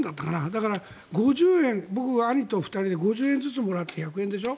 だから５０円、僕が兄と２人で５０円ずつもらって１００円でしょ。